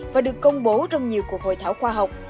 và được công bố trong nhiều cuộc hội thảo khoa học